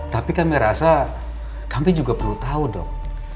tapi kami rasa kami juga perlu tahu dok